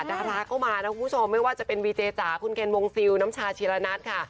ดาราเข้ามานะคุณผู้ชมไม่ว่าจะเป็นวีเจจ๋าคุณเคนวงซิลน้ำชาชีระนัทค่ะ